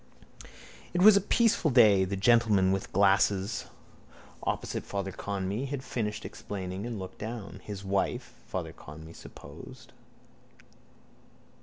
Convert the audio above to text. It was a peaceful day. The gentleman with the glasses opposite Father Conmee had finished explaining and looked down. His wife, Father Conmee supposed.